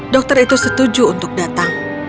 dokter itu setuju untuk datang